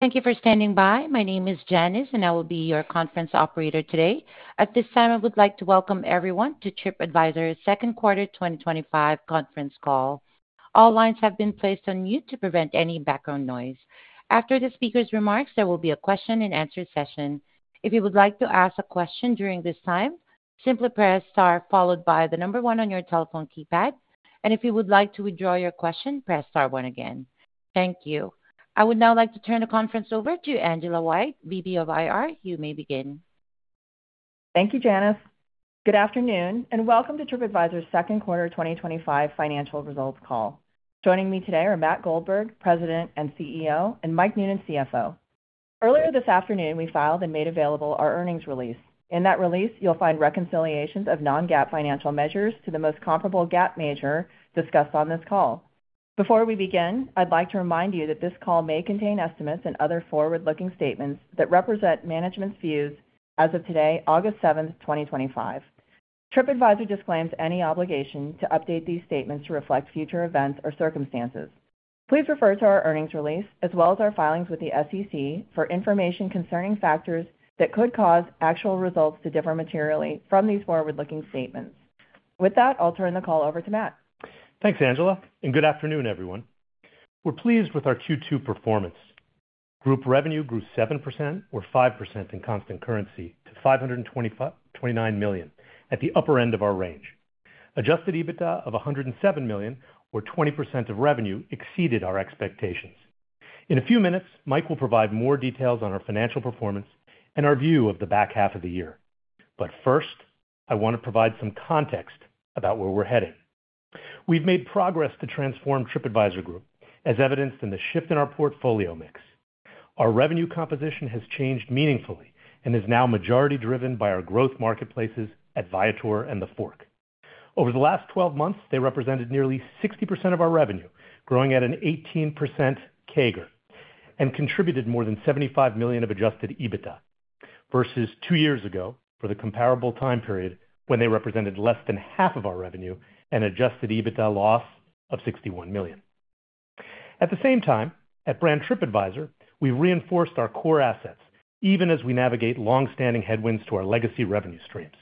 Thank you for standing by. My name is Janice, and I will be your conference operator today. At this time, I would like to welcome everyone to Tripadvisor's Second Quarter 2025 Conference Call. All lines have been placed on mute to prevent any background noise. After the speaker's remarks, there will be a question-and-answer session. If you would like to ask a question during this time, simply press star followed by the number one on your telephone keypad. If you would like to withdraw your question, press star one again. Thank you. I would now like to turn the conference over to Angela White, Vice President of Investor Relations. You may begin. Thank you, Janice. Good afternoon, and welcome to Tripadvisor's second quarter 2025 financial results call. Joining me today are Matt Goldberg, President and CEO, and Mike Noonan, CFO. Earlier this afternoon, we filed and made available our earnings release. In that release, you'll find reconciliations of non-GAAP financial measures to the most comparable GAAP measure discussed on this call. Before we begin, I'd like to remind you that this call may contain estimates and other forward-looking statements that represent management's views as of today, August 7, 2025. Tripadvisor disclaims any obligation to update these statements to reflect future events or circumstances. Please refer to our earnings release, as well as our filings with the SEC, for information concerning factors that could cause actual results to differ materially from these forward-looking statements. With that, I'll turn the call over to Matt. Thanks, Angela, and good afternoon, everyone. We're pleased with our Q2 performance. Group revenue grew 7%, or 5% in constant currency, to $529 million, at the upper end of our range. Adjusted EBITDA of $107 million, or 20% of revenue, exceeded our expectations. In a few minutes, Mike will provide more details on our financial performance and our view of the back half of the year. First, I want to provide some context about where we're heading. We've made progress to transform Tripadvisor Group, as evidenced in the shift in our portfolio mix. Our revenue composition has changed meaningfully and is now majority driven by our growth marketplaces at Viator and TheFork. Over the last 12 months, they represented nearly 60% of our revenue, growing at an 18% CAGR, and contributed more than $75 million of adjusted EBITDA, versus two years ago, for the comparable time period, when they represented less than half of our revenue and adjusted EBITDA loss of $61 million. At the same time, at brand Tripadvisor, we reinforced our core assets, even as we navigate longstanding headwinds to our legacy revenue streams.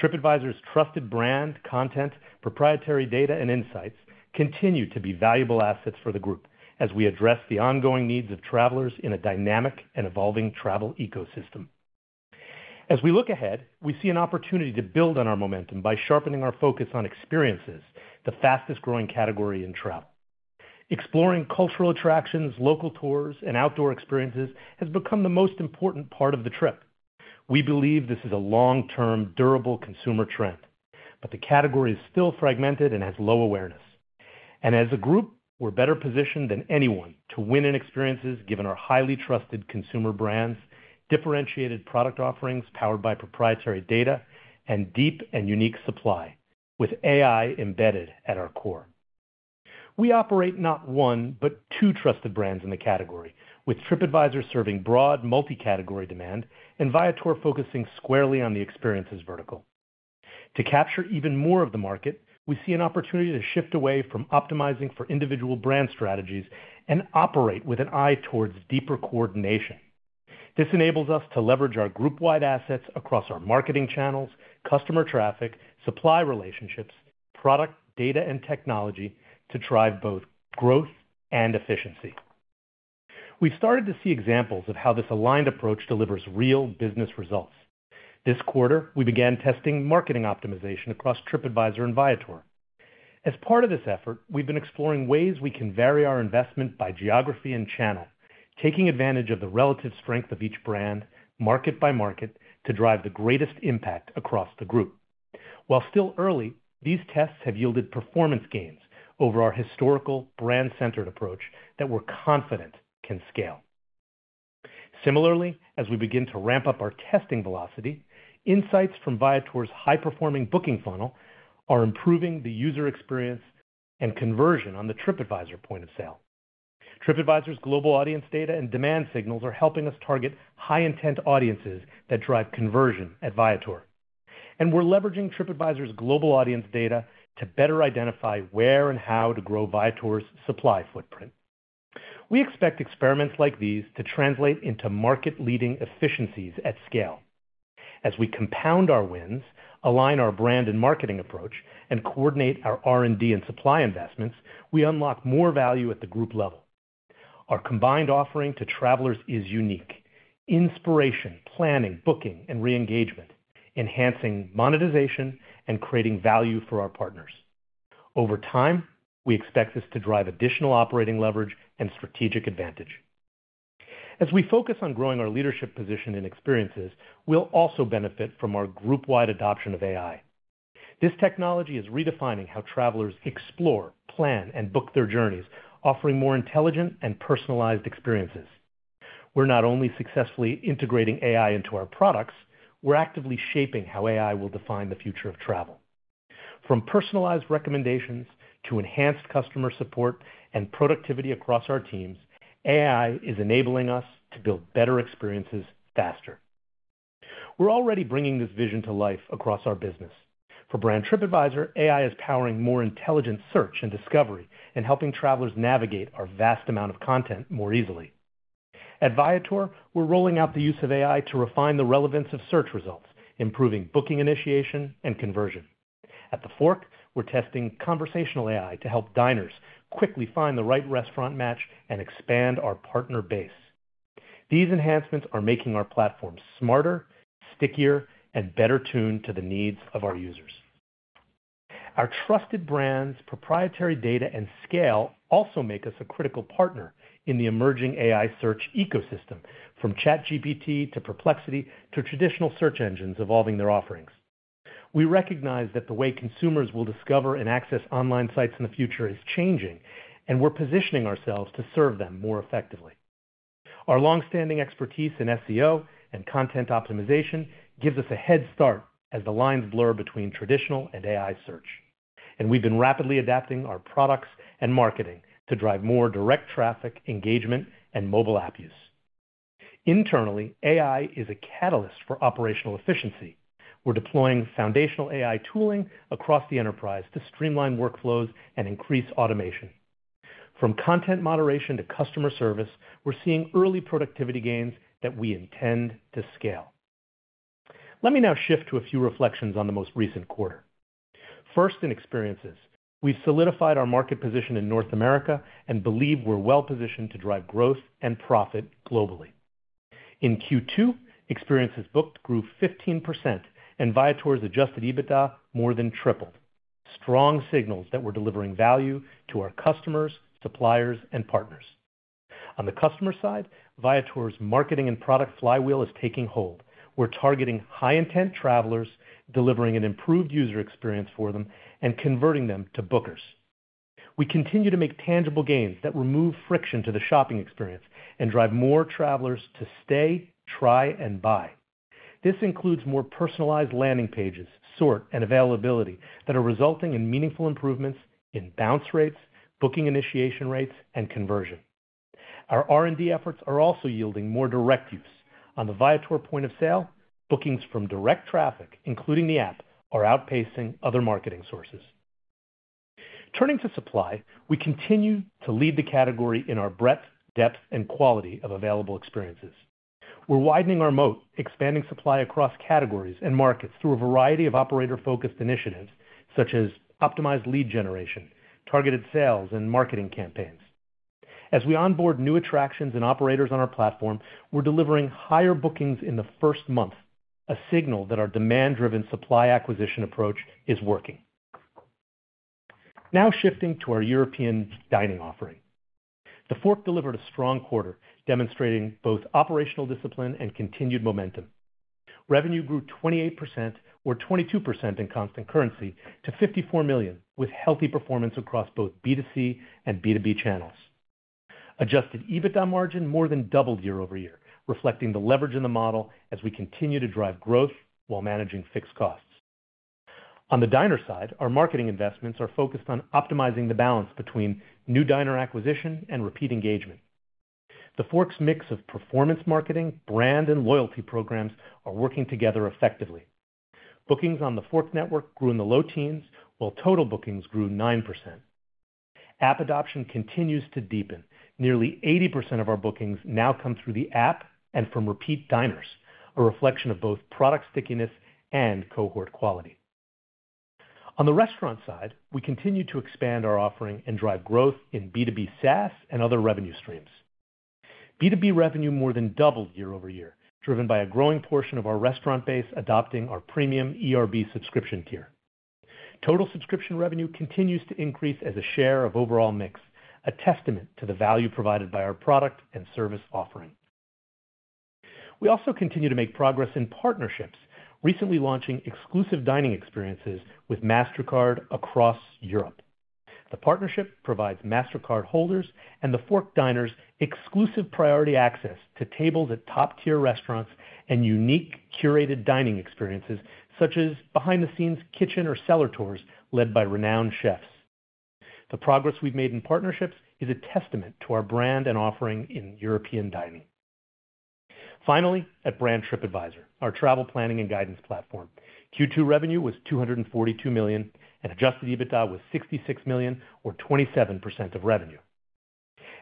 Tripadvisor's trusted brand, content, proprietary data, and insights continue to be valuable assets for the group as we address the ongoing needs of travelers in a dynamic and evolving travel ecosystem. As we look ahead, we see an opportunity to build on our momentum by sharpening our focus on experiences, the fastest growing category in travel. Exploring cultural attractions, local tours, and outdoor experiences has become the most important part of the trip. We believe this is a long-term, durable consumer trend, but the category is still fragmented and has low awareness. As a group, we're better positioned than anyone to win in experiences given our highly trusted consumer brands, differentiated product offerings powered by proprietary data, and deep and unique supply, with AI embedded at our core. We operate not one, but two trusted brands in the category, with Tripadvisor serving broad multicategory demand and Viator focusing squarely on the experiences vertical. To capture even more of the market, we see an opportunity to shift away from optimizing for individual brand strategies and operate with an eye towards deeper coordination. This enables us to leverage our group-wide assets across our marketing channels, customer traffic, supply relationships, product, data, and technology to drive both growth and efficiency. We've started to see examples of how this aligned approach delivers real business results. This quarter, we began testing marketing optimization across Tripadvisor and Viator. As part of this effort, we've been exploring ways we can vary our investment by geography and channel, taking advantage of the relative strength of each brand, market by market, to drive the greatest impact across the group. While still early, these tests have yielded performance gains over our historical brand-centered approach that we're confident can scale. Similarly, as we begin to ramp up our testing velocity, insights from Viator's high-performing booking funnel are improving the user experience and conversion on the Tripadvisor point of sale. Tripadvisor's global audience data and demand signals are helping us target high-intent audiences that drive conversion at Viator. We're leveraging Tripadvisor's global audience data to better identify where and how to grow Viator's supply footprint. We expect experiments like these to translate into market-leading efficiencies at scale. As we compound our wins, align our brand and marketing approach, and coordinate our R&D and supply investments, we unlock more value at the group level. Our combined offering to travelers is unique: inspiration, planning, booking, and re-engagement, enhancing monetization and creating value for our partners. Over time, we expect this to drive additional operating leverage and strategic advantage. As we focus on growing our leadership position in experiences, we'll also benefit from our group-wide adoption of AI. This technology is redefining how travelers explore, plan, and book their journeys, offering more intelligent and personalized experiences. We're not only successfully integrating AI into our products, we're actively shaping how AI will define the future of travel. From personalized recommendations to enhanced customer support and productivity across our teams, AI is enabling us to build better experiences faster. We're already bringing this vision to life across our business. For brand Tripadvisor, AI is powering more intelligent search and discovery and helping travelers navigate our vast amount of content more easily. At Viator, we're rolling out the use of AI to refine the relevance of search results, improving booking initiation and conversion. At TheFork, we're testing conversational AI to help diners quickly find the right restaurant match and expand our partner base. These enhancements are making our platform smarter, stickier, and better tuned to the needs of our users. Our trusted brands, proprietary data, and scale also make us a critical partner in the emerging AI search ecosystem, from ChatGPT to Perplexity to traditional search engines evolving their offerings. We recognize that the way consumers will discover and access online sites in the future is changing, and we're positioning ourselves to serve them more effectively. Our longstanding expertise in SEO and content optimization gives us a head start as the lines blur between traditional and AI search. We have been rapidly adapting our products and marketing to drive more direct traffic, engagement, and mobile app use. Internally, AI is a catalyst for operational efficiency. We're deploying foundational AI tooling across the enterprise to streamline workflows and increase automation. From content moderation to customer service, we're seeing early productivity gains that we intend to scale. Let me now shift to a few reflections on the most recent quarter. First, in experiences, we've solidified our market position in North America and believe we're well positioned to drive growth and profit globally. In Q2, experiences booked grew 15%, and Viator's adjusted EBITDA more than tripled. These are strong signals that we're delivering value to our customers, suppliers, and partners. On the customer side, Viator's marketing and product flywheel is taking hold. We're targeting high-intent travelers, delivering an improved user experience for them, and converting them to bookers. We continue to make tangible gains that remove friction to the shopping experience and drive more travelers to stay, try, and buy. This includes more personalized landing pages, sort, and availability that are resulting in meaningful improvements in bounce rates, booking initiation rates, and conversion. Our R&D efforts are also yielding more direct use. On the Viator point of sale, bookings from direct traffic, including the app, are outpacing other marketing sources. Turning to supply, we continue to lead the category in our breadth, depth, and quality of available experiences. We're widening our moat, expanding supply across categories and markets through a variety of operator-focused initiatives, such as optimized lead generation, targeted sales, and marketing campaigns. As we onboard new attractions and operators on our platform, we're delivering higher bookings in the first month, a signal that our demand-driven supply acquisition approach is working. Now shifting to our European dining offering. TheFork delivered a strong quarter, demonstrating both operational discipline and continued momentum. Revenue grew 28%, or 22% in constant currency, to $54 million, with healthy performance across both B2C and B2B channels. Adjusted EBITDA margin more than doubled year-over-year, reflecting the leverage in the model as we continue to drive growth while managing fixed costs. On the diner side, our marketing investments are focused on optimizing the balance between new diner acquisition and repeat engagement. TheFork's mix of performance marketing, brand, and loyalty programs are working together effectively. Bookings on the TheFork network grew in the low teens, while total bookings grew 9%. App adoption continues to deepen. Nearly 80% of our bookings now come through the app and from repeat diners, a reflection of both product stickiness and cohort quality. On the restaurant side, we continue to expand our offering and drive growth in B2B SaaS and other revenue streams. B2B revenue more than doubled year-over-year, driven by a growing portion of our restaurant base adopting our premium ERB subscription tier. Total subscription revenue continues to increase as a share of overall mix, a testament to the value provided by our product and service offering. We also continue to make progress in partnerships, recently launching exclusive dining experiences with Mastercard across Europe. The partnership provides Mastercard holders and TheFork diners exclusive priority access to tables at top-tier restaurants and unique curated dining experiences, such as behind-the-scenes kitchen or cellar tours led by renowned chefs. The progress we've made in partnerships is a testament to our brand and offering in European dining. Finally, at brand Tripadvisor, our travel planning and guidance platform, Q2 revenue was $242 million, and adjusted EBITDA was $66 million, or 27% of revenue.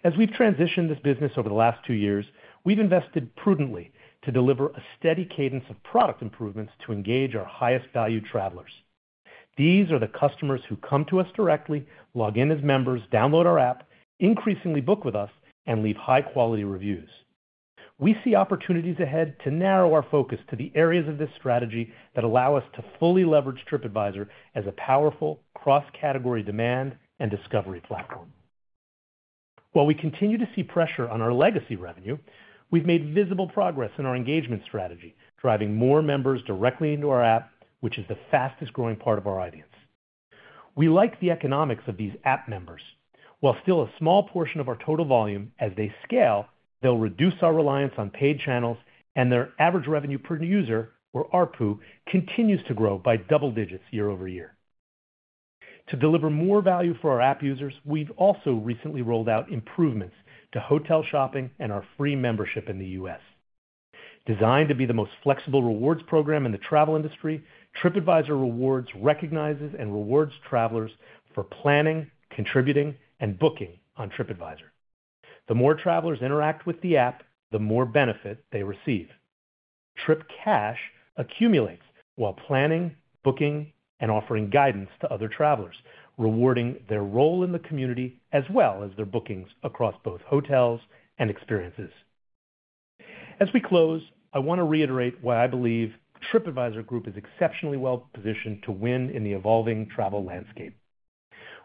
As we've transitioned this business over the last two years, we've invested prudently to deliver a steady cadence of product improvements to engage our highest value travelers. These are the customers who come to us directly, log in as members, download our app, increasingly book with us, and leave high-quality reviews. We see opportunities ahead to narrow our focus to the areas of this strategy that allow us to fully leverage Tripadvisor as a powerful cross-category demand and discovery platform. While we continue to see pressure on our legacy revenue, we've made visible progress in our engagement strategy, driving more members directly into our app, which is the fastest growing part of our audience. We like the economics of these app members. While still a small portion of our total volume, as they scale, they'll reduce our reliance on paid channels, and their average revenue per user, or ARPU, continues to grow by double digits year-over-year. To deliver more value for our app users, we've also recently rolled out improvements to hotel shopping and our free membership in the U.S. Designed to be the most flexible rewards program in the travel industry, Tripadvisor Rewards recognizes and rewards travelers for planning, contributing, and booking on Tripadvisor. The more travelers interact with the app, the more benefit they receive. Trip Cash accumulates while planning, booking, and offering guidance to other travelers, rewarding their role in the community as well as their bookings across both hotels and experiences. As we close, I want to reiterate why I believe Tripadvisor Group is exceptionally well positioned to win in the evolving travel landscape.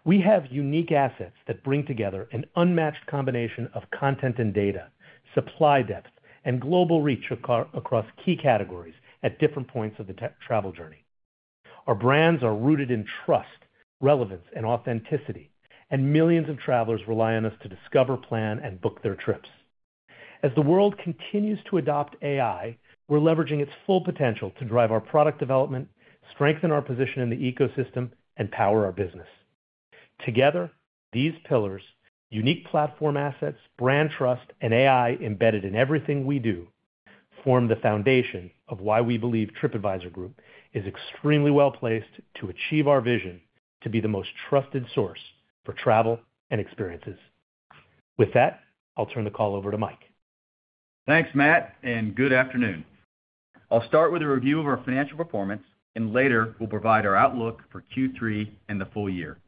We have unique assets that bring together an unmatched combination of content and data, supply depth, and global reach across key categories at different points of the travel journey. Our brands are rooted in trust, relevance, and authenticity, and millions of travelers rely on us to discover, plan, and book their trips. As the world continues to adopt AI, we're leveraging its full potential to drive our product development, strengthen our position in the ecosystem, and power our business. Together, these pillars—unique platform assets, brand trust, and AI embedded in everything we do—form the foundation of why we believe Tripadvisor Group is extremely well placed to achieve our vision to be the most trusted source for travel and experiences. With that, I'll turn the call over to Mike. Thanks, Matt, and good afternoon. I'll start with a review of our financial performance, and later we'll provide our outlook for Q3 and the full year.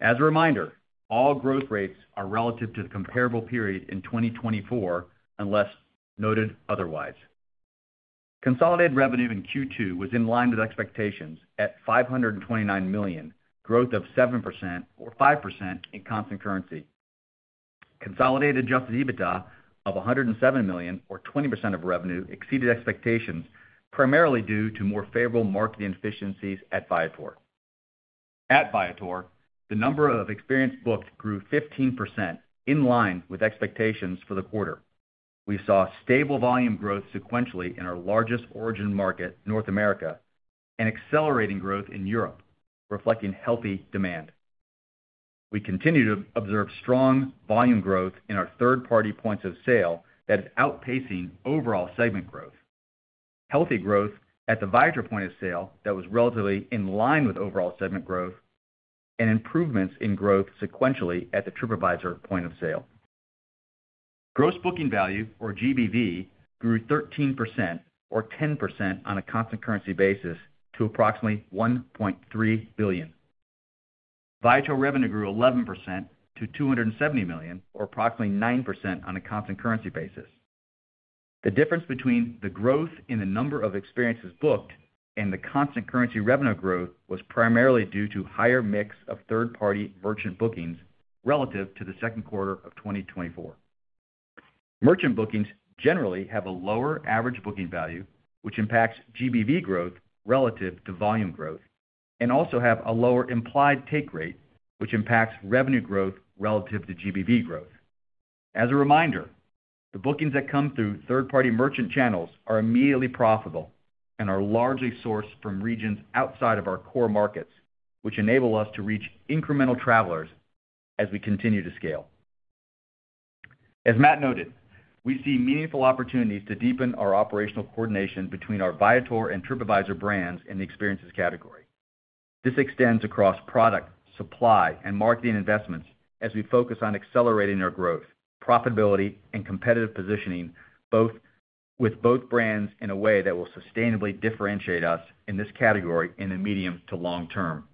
As a reminder, all growth rates are relative to the comparable period in 2024 unless noted otherwise. Consolidated revenue in Q2 was in line with expectations at $529 million, growth of 7%, or 5% in constant currency. Consolidated adjusted EBITDA of $107 million, or 20% of revenue, exceeded expectations, primarily due to more favorable marketing efficiencies at Viator. At Viator, the number of experiences booked grew 15% in line with expectations for the quarter. We saw stable volume growth sequentially in our largest origin market, North America, and accelerating growth in Europe, reflecting healthy demand. We continue to observe strong volume growth in our third-party points of sale that is outpacing overall segment growth. Healthy growth at the Viator point of sale that was relatively in line with overall segment growth, and improvements in growth sequentially at the Tripadvisor point of sale. Gross booking value, or GBV, grew 13%, or 10% on a constant currency basis, to approximately $1.3 billion. Viator revenue grew 11% to $270 million, or approximately 9% on a constant currency basis. The difference between the growth in the number of experiences booked and the constant currency revenue growth was primarily due to a higher mix of third-party merchant bookings relative to the second quarter of 2024. Merchant bookings generally have a lower average booking value, which impacts GBV growth relative to volume growth, and also have a lower implied take rate, which impacts revenue growth relative to GBV growth. As a reminder, the bookings that come through third-party merchant channels are immediately profitable and are largely sourced from regions outside of our core markets, which enable us to reach incremental travelers as we continue to scale. As Matt noted, we see meaningful opportunities to deepen our operational coordination between our Viator and Tripadvisor brands in the experiences category. This extends across product, supply, and marketing investments as we focus on accelerating our growth, profitability, and competitive positioning with both brands in a way that will sustainably differentiate us in this category in the medium to long term.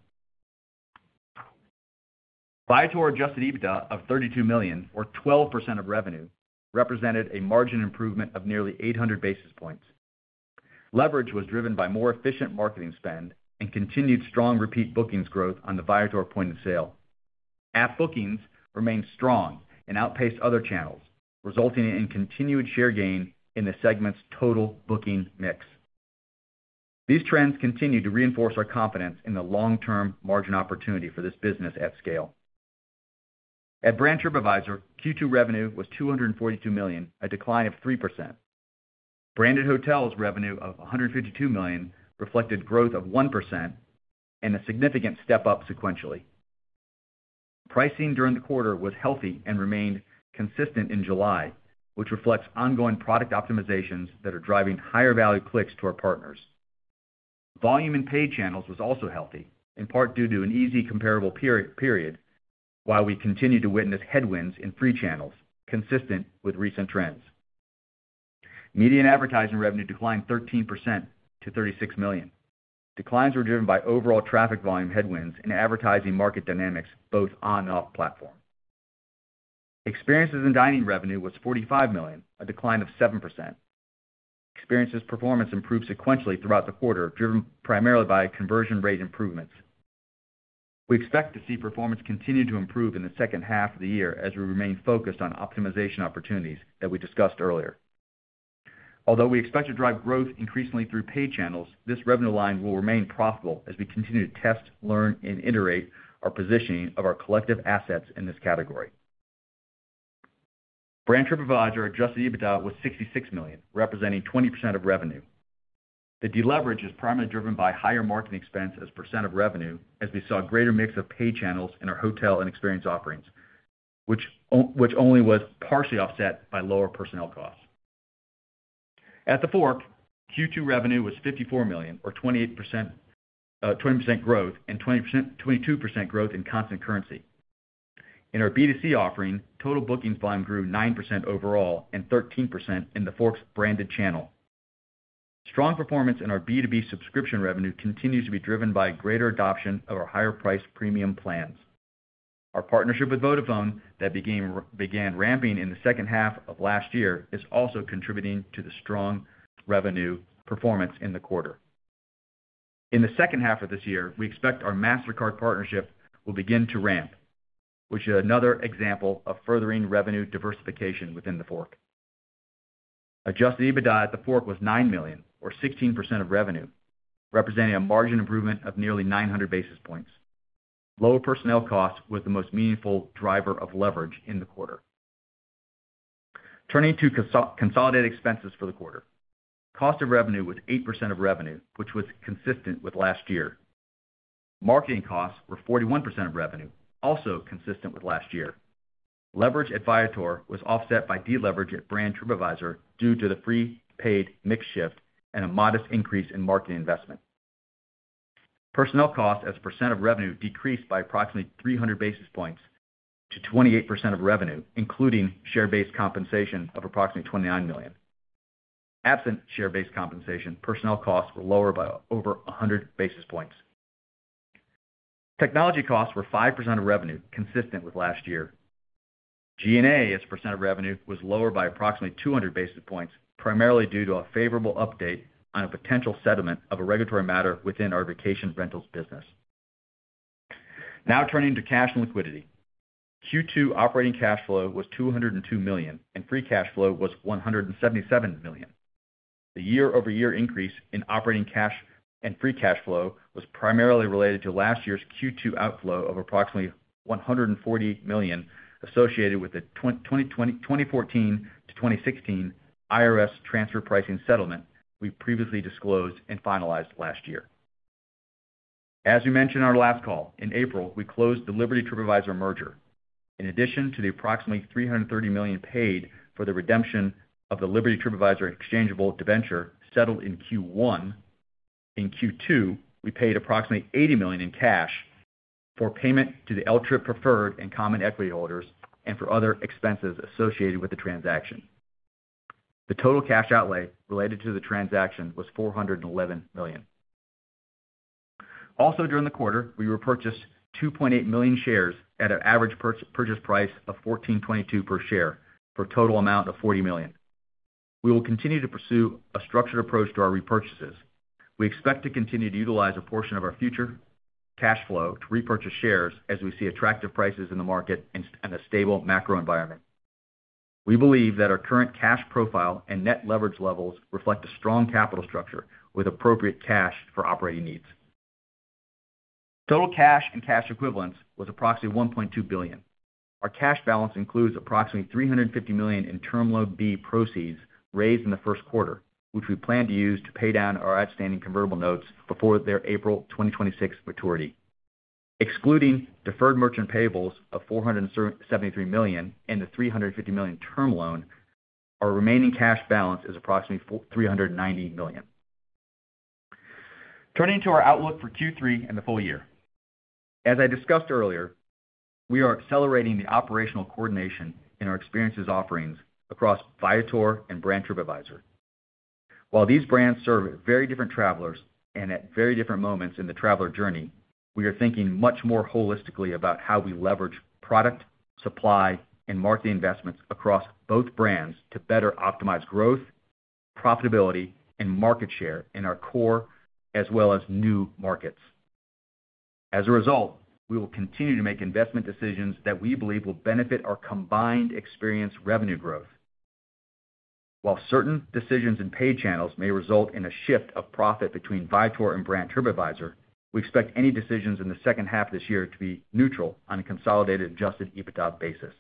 Viator adjusted EBITDA of $32 million, or 12% of revenue, represented a margin improvement of nearly 800 basis points. Leverage was driven by more efficient marketing spend and continued strong repeat bookings growth on the Viator point of sale. App bookings remained strong and outpaced other channels, resulting in continued share gain in the segment's total booking mix. These trends continue to reinforce our confidence in the long-term margin opportunity for this business at scale. At brand Tripadvisor, Q2 revenue was $242 million, a decline of 3%. Branded hotels' revenue of $152 million reflected growth of 1% and a significant step up sequentially. Pricing during the quarter was healthy and remained consistent in July, which reflects ongoing product optimizations that are driving higher value clicks to our partners. Volume in paid channels was also healthy, in part due to an easy comparable period, while we continue to witness headwinds in free channels, consistent with recent trends. Media and advertising revenue declined 13% to $36 million. Declines were driven by overall traffic volume headwinds and advertising market dynamics both on and off platform. Experiences and dining revenue was $45 million, a decline of 7%. Experiences performance improved sequentially throughout the quarter, driven primarily by conversion rate improvements. We expect to see performance continue to improve in the second half of the year as we remain focused on optimization opportunities that we discussed earlier. Although we expect to drive growth increasingly through paid channels, this revenue line will remain profitable as we continue to test, learn, and iterate our positioning of our collective assets in this category. Brand Tripadvisor adjusted EBITDA was $66 million, representing 20% of revenue. The deleverage is primarily driven by higher marketing expense as percent of revenue, as we saw a greater mix of paid channels in our hotel and experience offerings, which only was partially offset by lower personnel costs. At TheFork, Q2 revenue was $54 million, or 28% growth and 22% growth in constant currency. In our B2C offering, total bookings volume grew 9% overall and 13% in TheFork's branded channel. Strong performance in our B2B subscription revenue continues to be driven by greater adoption of our higher-priced premium plans. Our partnership with Vodafone, that began ramping in the second half of last year, is also contributing to the strong revenue performance in the quarter. In the second half of this year, we expect our Mastercard partnership will begin to ramp, which is another example of furthering revenue diversification within TheFork. Adjusted EBITDA at TheFork was $9 million, or 16% of revenue, representing a margin improvement of nearly 900 basis points. Lower personnel costs were the most meaningful driver of leverage in the quarter. Turning to consolidated expenses for the quarter, cost of revenue was 8% of revenue, which was consistent with last year. Marketing costs were 41% of revenue, also consistent with last year. Leverage at Viator was offset by deleverage at brand Tripadvisor due to the free paid mixed shift and a modest increase in marketing investment. Personnel costs as a percent of revenue decreased by approximately 300 basis points to 28% of revenue, including share-based compensation of approximately $29 million. Absent share-based compensation, personnel costs were lower by over 100 basis points. Technology costs were 5% of revenue, consistent with last year. G&A as a percent of revenue was lower by approximately 200 basis points, primarily due to a favorable update on a potential settlement of a regulatory matter within our vacation rentals business. Now turning to cash and liquidity, Q2 operating cash flow was $202 million and free cash flow was $177 million. The year-over-year increase in operating cash and free cash flow was primarily related to last year's Q2 outflow of approximately $140 million associated with the 2014 to 2016 IRS transfer pricing settlement we previously disclosed and finalized last year. As we mentioned in our last call, in April, we closed the Liberty Tripadvisor merger. In addition to the approximately $330 million paid for the redemption of the Liberty Tripadvisor exchangeable debenture settled in Q1, in Q2, we paid approximately $80 million in cash for payment to the L Trip Preferred and Common Equity holders and for other expenses associated with the transaction. The total cash outlay related to the transaction was $411 million. Also during the quarter, we repurchased 2.8 million shares at an average purchase price of $14.22 per share for a total amount of $40 million. We will continue to pursue a structured approach to our repurchases. We expect to continue to utilize a portion of our future cash flow to repurchase shares as we see attractive prices in the market and a stable macro environment. We believe that our current cash profile and net leverage levels reflect a strong capital structure with appropriate cash for operating needs. Total cash and cash equivalents were approximately $1.2 billion. Our cash balance includes approximately $350 million in Term Loan B proceeds raised in the first quarter, which we plan to use to pay down our outstanding convertible notes before their April 2026 maturity. Excluding deferred merchant payables of $473 million and the $350 million term loan, our remaining cash balance is approximately $390 million. Turning to our outlook for Q3 and the full year, as I discussed earlier, we are accelerating the operational coordination in our experiences offerings across Viator and brand Tripadvisor. While these brands serve very different travelers and at very different moments in the traveler journey, we are thinking much more holistically about how we leverage product, supply, and marketing investments across both brands to better optimize growth, profitability, and market share in our core as well as new markets. As a result, we will continue to make investment decisions that we believe will benefit our combined experience revenue growth. While certain decisions in paid channels may result in a shift of profit between Viator and brand Tripadvisor, we expect any decisions in the second half of this year to be neutral on a consolidated adjusted EBITDA basis.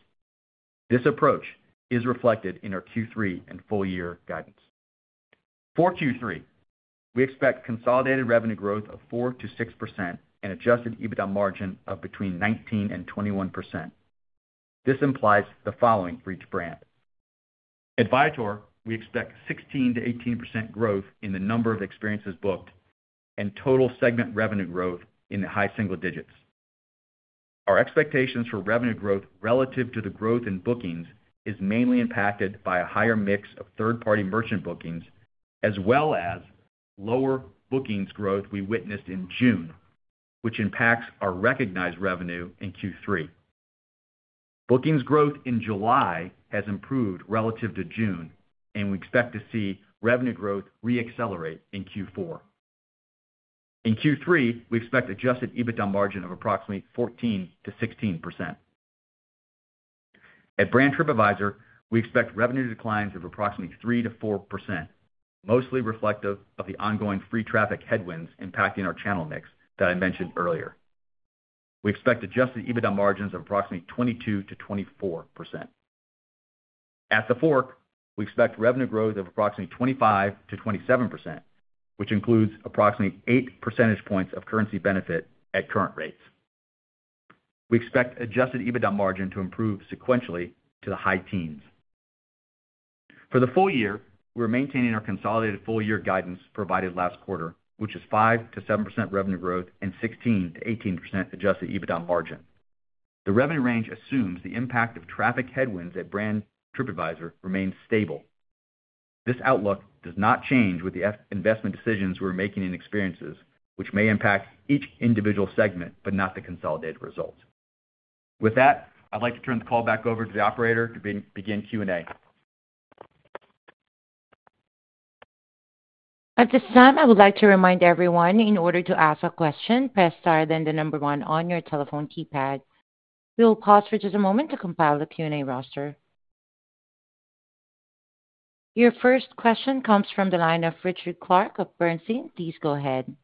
This approach is reflected in our Q3 and full year guidance. For Q3, we expect consolidated revenue growth of 4%-6% and adjusted EBITDA margin of between 19% and 21%. This implies the following for each brand. At Viator, we expect 16%-18% growth in the number of experiences booked and total segment revenue growth in the high single digits. Our expectations for revenue growth relative to the growth in bookings are mainly impacted by a higher mix of third-party merchant bookings, as well as lower bookings growth we witnessed in June, which impacts our recognized revenue in Q3. Bookings growth in July has improved relative to June, and we expect to see revenue growth reaccelerate in Q4. In Q3, we expect adjusted EBITDA margin of approximately 14%-16%. At brand Tripadvisor, we expect revenue declines of approximately 3%-4%, mostly reflective of the ongoing free traffic headwinds impacting our channel mix that I mentioned earlier. We expect adjusted EBITDA margins of approximately 22%-24%. At TheFork, we expect revenue growth of approximately 25%-27%, which includes approximately 8 percentage points of currency benefit at current rates. We expect adjusted EBITDA margin to improve sequentially to the high teens. For the full year, we are maintaining our consolidated full year guidance provided last quarter, which is 5%-7% revenue growth and 16%-18% adjusted EBITDA margin. The revenue range assumes the impact of free traffic headwinds at brand Tripadvisor remains stable. This outlook does not change with the investment decisions we're making in experiences, which may impact each individual segment, but not the consolidated results. With that, I'd like to turn the call back over to the operator to begin Q&A. At this time, I would like to remind everyone, in order to ask a question, press star then the number one on your telephone keypad. We will pause for just a moment to compile the Q&A roster. Your first question comes from the line of Richard Clark of Bernstein. Please go ahead.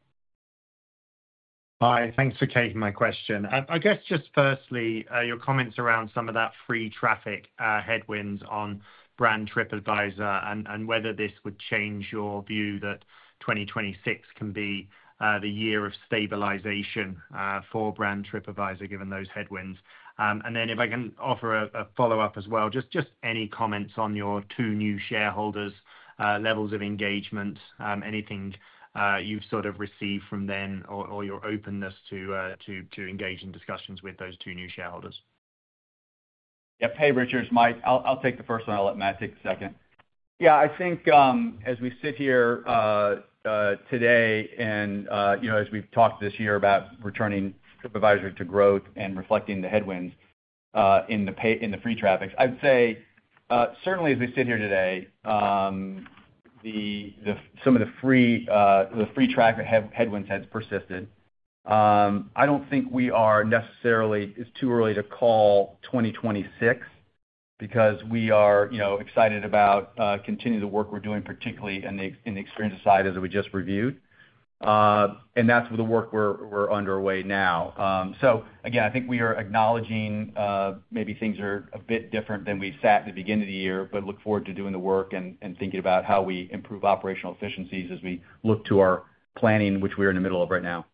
Hi, thanks for taking my question. I guess just firstly, your comments around some of that free traffic headwinds on brand Tripadvisor and whether this would change your view that 2026 can be the year of stabilization for brand Tripadvisor given those headwinds. If I can offer a follow-up as well, just any comments on your two new shareholders' levels of engagement, anything you've sort of received from them or your openness to engage in discussions with those two new shareholders. Yeah, hey Richards, Mike, I'll take the first one. I'll let Matt take the second. I think as we sit here today and you know as we've talked this year about returning Tripadvisor to growth and reflecting the headwinds in the free traffic, I'd say certainly as we sit here today, some of the free traffic headwinds have persisted. I don't think we are necessarily, it's too early to call 2026 because we are excited about continuing the work we're doing, particularly in the experience side as we just reviewed. That's the work we're underway now. I think we are acknowledging maybe things are a bit different than we've sat in the beginning of the year, but look forward to doing the work and thinking about how we improve operational efficiencies as we look to our planning, which we're in the middle of right now.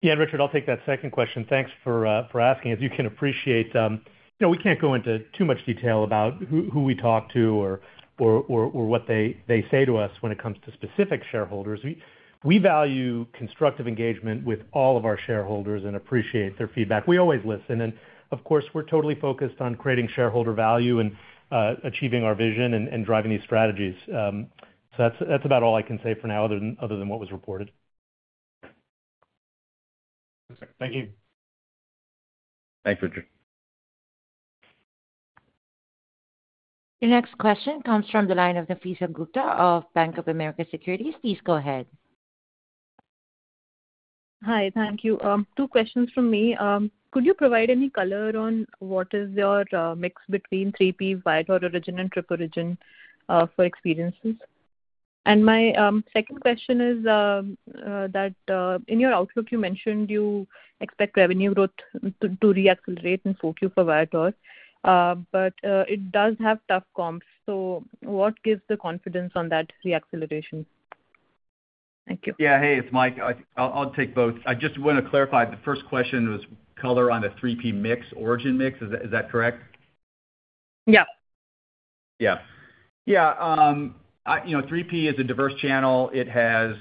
Yeah, Richard, I'll take that second question. Thanks for asking. As you can appreciate, you know we can't go into too much detail about who we talk to or what they say to us when it comes to specific shareholders. We value constructive engagement with all of our shareholders and appreciate their feedback. We always listen, and of course, we're totally focused on creating shareholder value and achieving our vision and driving these strategies. That's about all I can say for now other than what was reported. Thank you. Thanks, Richard. Your next question comes from the line of Nafeesa Gupta of Bank of America Securities. Please go ahead. Hi, thank you. Two questions from me. Could you provide any color on what is your mix between third-party Viator Origin and Trip Origin for experiences? My second question is that in your outlook, you mentioned you expect revenue growth to reaccelerate in Q4 for Viator, but it does have tough comps. What gives the confidence on that reacceleration? Thank you. Yeah, hey, it's Mike. I'll take both. I just want to clarify, the first question was color on a 3P mix, origin mix. Is that correct? Yeah. Yeah, you know 3P is a diverse channel. It has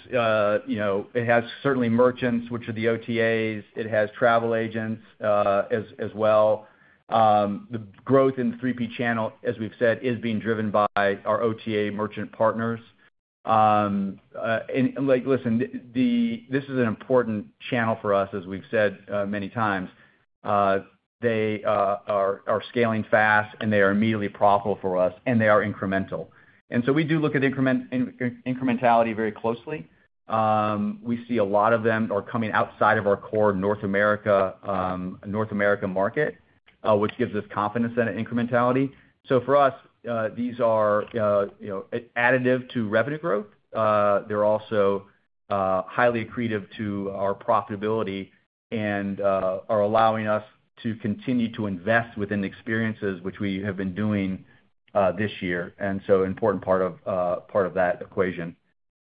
certainly merchants, which are the OTAs. It has travel agents as well. The growth in the 3P channel, as we've said, is being driven by our OTA merchant partners. This is an important channel for us, as we've said many times. They are scaling fast, they are immediately profitable for us, and they are incremental. We do look at incrementality very closely. We see a lot of them are coming outside of our core North America market, which gives us confidence in incrementality. For us, these are additive to revenue growth. They're also highly accretive to our profitability and are allowing us to continue to invest within the experiences, which we have been doing this year. An important part of that equation.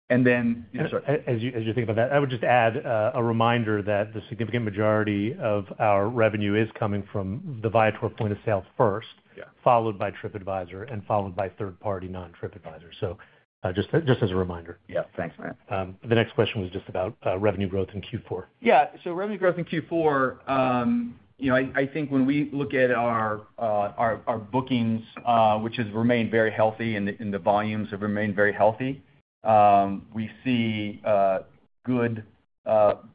As you think about that, I would just add a reminder that the significant majority of our revenue is coming from the Viator point of sale first, followed by Tripadvisor and followed by third-party non-Tripadvisors, just as a reminder. Yeah, thanks, Matt. The next question was just about revenue growth in Q4. Revenue growth in Q4, I think when we look at our bookings, which have remained very healthy and the volumes have remained very healthy, we see good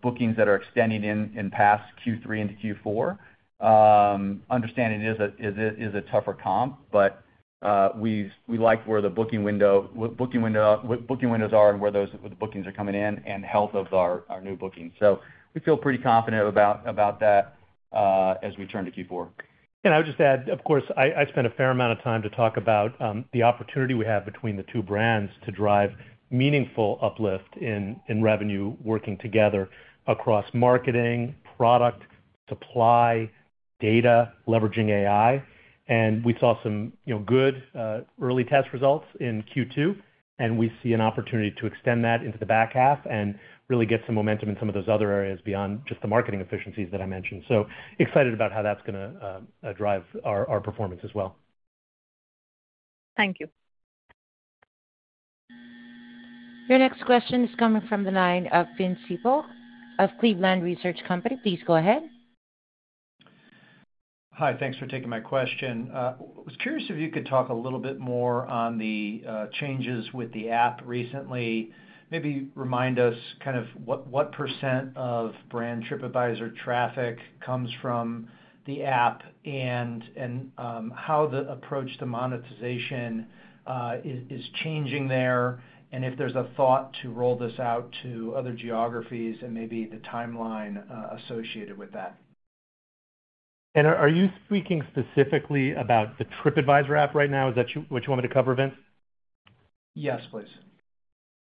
bookings that are extending past Q3 into Q4. It is a tougher comp, but we like where the booking windows are and where those bookings are coming in and health of our new bookings. We feel pretty confident about that as we turn to Q4. I would just add, of course, I spent a fair amount of time to talk about the opportunity we have between the two brands to drive meaningful uplift in revenue working together across marketing, product, supply, data, leveraging AI. We saw some good early test results in Q2, and we see an opportunity to extend that into the back half and really get some momentum in some of those other areas beyond just the marketing efficiencies that I mentioned. I am excited about how that's going to drive our performance as well. Thank you. Your next question is coming from the line of Vince Ciepiel of Cleveland Research Company. Please go ahead. Hi, thanks for taking my question. I was curious if you could talk a little bit more on the changes with the app recently. Maybe remind us kind of what percent of brand Tripadvisor traffic comes from the app and how the approach to monetization is changing there, and if there's a thought to roll this out to other geographies and maybe the timeline associated with that. Are you speaking specifically about the Tripadvisor app right now? Is that what you want me to cover, Vince? Yes, please.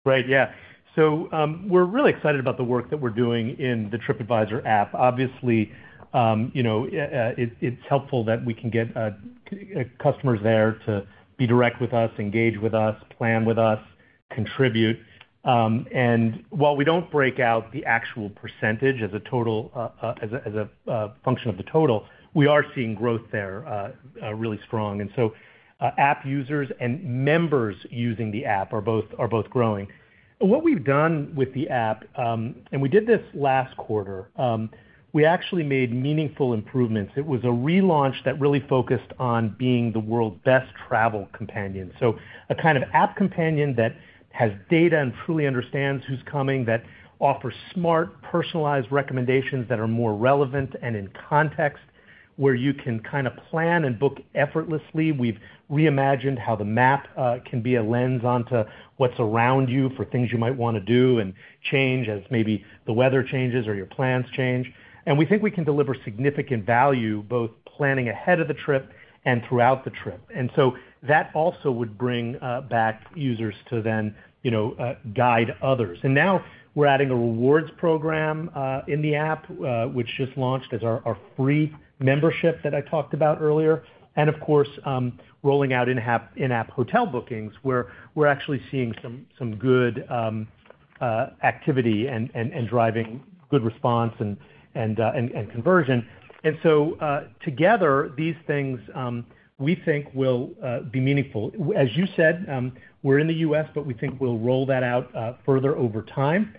Great, yeah. We're really excited about the work that we're doing in the Tripadvisor app. Obviously, you know it's helpful that we can get customers there to be direct with us, engage with us, plan with us, contribute. While we don't break out the actual percentage as a function of the total, we are seeing growth there really strong. App users and members using the app are both growing. What we've done with the app, and we did this last quarter, we actually made meaningful improvements. It was a relaunch that really focused on being the world's best travel companion. A kind of app companion that has data and truly understands who's coming, that offers smart, personalized recommendations that are more relevant and in context, where you can kind of plan and book effortlessly. We've reimagined how the map can be a lens onto what's around you for things you might want to do and change as maybe the weather changes or your plans change. We think we can deliver significant value both planning ahead of the trip and throughout the trip. That also would bring back users to then guide others. Now we're adding a rewards program in the app, which just launched as our free membership that I talked about earlier. Of course, rolling out in-app hotel bookings, where we're actually seeing some good activity and driving good response and conversion. Together, these things we think will be meaningful. As you said, we're in the U.S., but we think we'll roll that out further over time.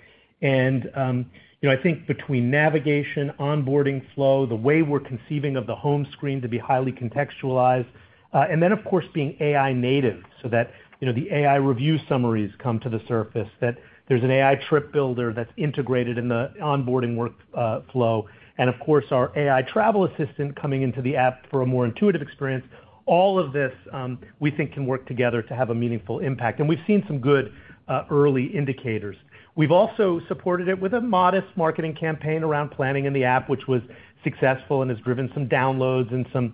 I think between navigation, onboarding flow, the way we're conceiving of the home screen to be highly contextualized, and then of course being AI native so that the AI review summaries come to the surface, that there's an AI trip builder that's integrated in the onboarding workflow. Of course, our AI travel assistant coming into the app for a more intuitive experience. All of this we think can work together to have a meaningful impact. We've seen some good early indicators. We've also supported it with a modest marketing campaign around planning in the app, which was successful and has driven some downloads and some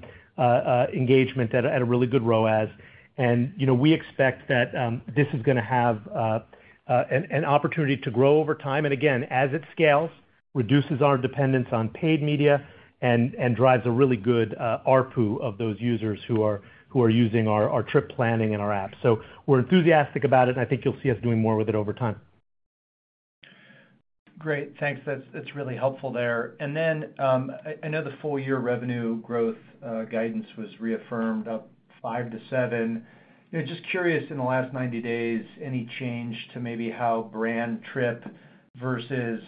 engagement at a really good ROAS. We expect that this is going to have an opportunity to grow over time. Again, as it scales, reduces our dependence on paid media and drives a really good ARPU of those users who are using our trip planning in our app. We're enthusiastic about it, and I think you'll see us doing more with it over time. Great, thanks. That's really helpful. I know the full year revenue growth guidance was reaffirmed up 5%-7%. Just curious, in the last 90 days, any change to maybe how brand Tripadvisor versus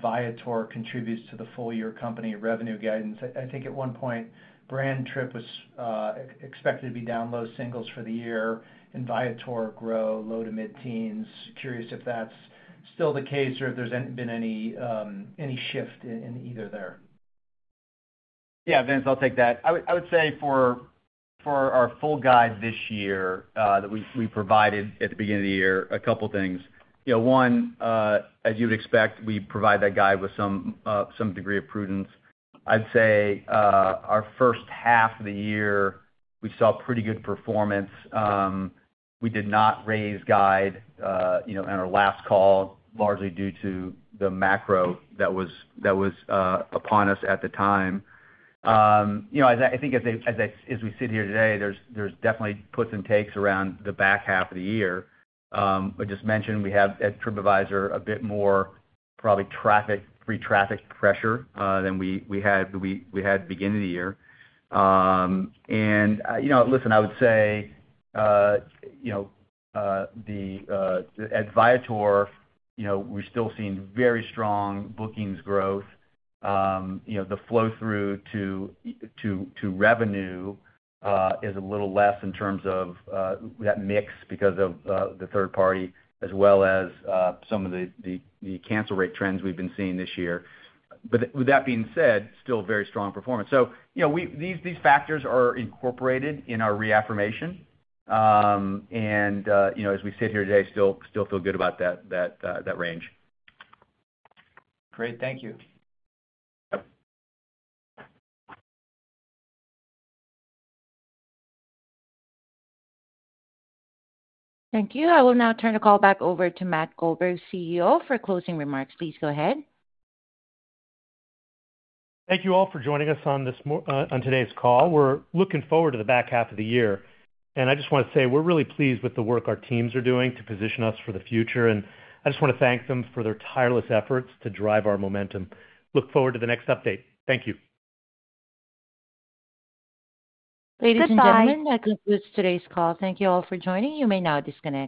Viator contributes to the full year company revenue guidance? I think at one point, brand Tripadvisor was expected to be down low singles for the year, and Viator grow low to mid-teens. Curious if that's still the case or if there's been any shift in either there. Yeah, Vince, I'll take that. I would say for our full guide this year that we provided at the beginning of the year, a couple of things. One, as you would expect, we provide that guide with some degree of prudence. I'd say our first half of the year, we saw pretty good performance. We did not raise guide in our last call, largely due to the macro that was upon us at the time. I think as we sit here today, there's definitely puts and takes around the back half of the year. I just mentioned we have at Tripadvisor a bit more probably free traffic pressure than we had at the beginning of the year. I would say at Viator, we're still seeing very strong bookings growth. The flow through to revenue is a little less in terms of that mix because of the third-party, as well as some of the cancel rate trends we've been seeing this year. With that being said, still very strong performance. These factors are incorporated in our reaffirmation. As we sit here today, still feel good about that range. Great, thank you. Thank you. I will now turn the call back over to Matt Goldberg, CEO, for closing remarks. Please go ahead. Thank you all for joining us on today's call. We're looking forward to the back half of the year. I just want to say we're really pleased with the work our teams are doing to position us for the future. I just want to thank them for their tireless efforts to drive our momentum. Look forward to the next update. Thank you. Ladies and gentlemen, that concludes today's call. Thank you all for joining. You may now disconnect.